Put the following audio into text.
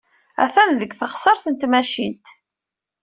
Attan deg teɣsert n tmacint.